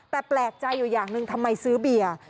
แต่แปลกใจอยู่อย่างหนึ่งทำไมซื้อเบียร์